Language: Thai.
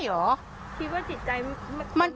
คิดว่าจิตใจมันคุ้มใช่มั้ย